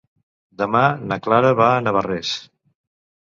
Demà na Clara va a Navarrés.